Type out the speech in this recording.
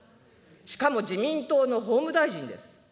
しかも自民党の法務大臣です。